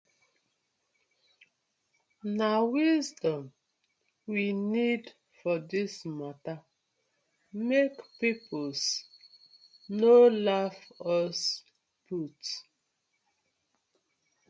Na wisdom we need for dis matta mek pipus no laugh us put.